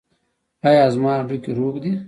ایا زما هډوکي روغ دي؟